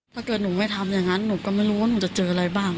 ถ้าเกิดหนูไม่ทำอย่างนั้นหนูก็ไม่รู้ว่าหนูจะเจออะไรบ้าง